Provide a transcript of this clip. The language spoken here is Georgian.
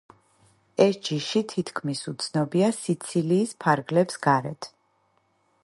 ეს ჯიში თითქმის უცნობია სიცილიის ფარგლებს გარეთ.